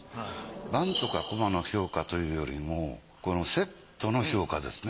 盤とか駒の評価というよりもこのセットの評価ですね。